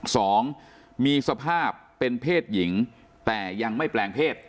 สองมีสภาพเป็นเพศหญิงแต่ยังไม่แปลงเพศ